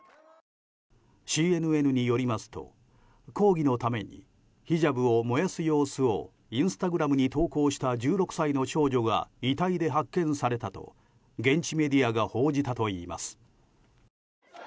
ＣＮＮによりますと抗議のためにヒジャブを燃やす様子をインスタグラムに投稿した１６歳の少女が遺体で発見されたと現地メディアが報じたといいます。